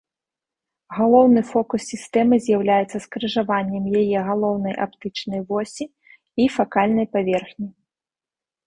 Галоўны фокус сістэмы з'яўляецца скрыжаваннем яе галоўнай аптычнай восі і факальнай паверхні.